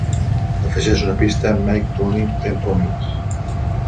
afegeix una pista a Nike Running Tempo Mix